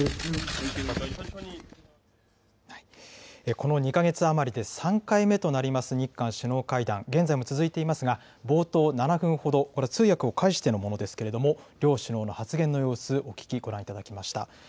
この２か月余りで３回目となります日韓首脳会談、現在も続いていますが、冒頭７分ほど、これ通訳を介してのものですけれども、両首脳の発言の様子、お聞きご覧いただきました。